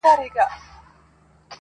تا چي هر څه زیږولي غلامان سي -